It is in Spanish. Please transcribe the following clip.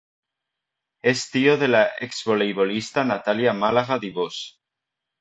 Es tío de la ex-voleibolista Natalia Málaga Dibós.